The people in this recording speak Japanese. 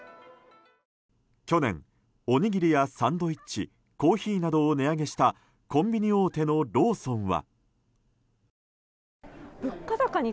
去年、おにぎりやサンドイッチコーヒーなどを値上げしたコンビニ大手のローソンは。